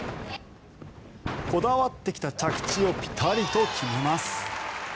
こだわってきた着地をピタリと決めます。